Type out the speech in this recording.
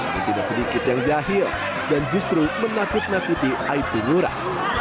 mungkin sedikit yang jahil dan justru menakut nakuti aibda ngurah